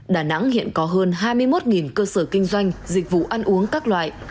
đà nẵng hiện có hơn hai mươi một cơ sở kinh doanh dịch vụ ăn uống các loại